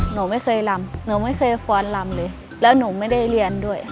หนูไม่เคยลำหนูไม่เคยฟ้อนลำเลยแล้วหนูไม่ได้เรียนด้วย